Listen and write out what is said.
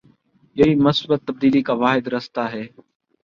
یہی مثبت تبدیلی کا واحد راستہ ہے۔